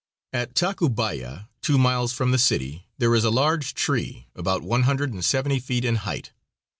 At Tacubaya, two miles from the city, there is a large tree, about one hundred and seventy feet in height.